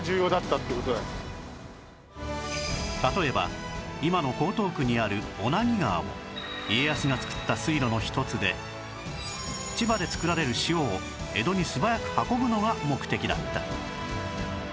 例えば今の江東区にある小名木川も家康が造った水路の一つで千葉で作られる塩を江戸に素早く運ぶのが目的だった